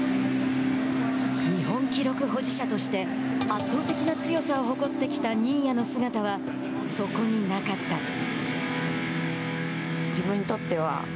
日本記録保持者として圧倒的な強さを誇ってきた新谷の姿は、そこになかった。